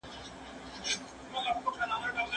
نازیه نن سهار بیا خپل کار او کورس ته روانه وه.